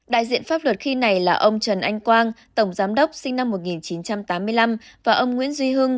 đại diện pháp luật khi này là ông trần anh quang tổng giám đốc sinh năm một nghìn chín trăm tám mươi năm và ông nguyễn duy hưng